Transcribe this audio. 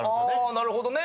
あなるほどね。